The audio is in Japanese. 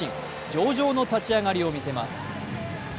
上々の立ち上がりを見せます。